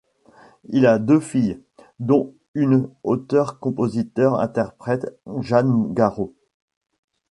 Il a deux filles, dont une auteur-compositeur-interprète, Jeanne Garraud.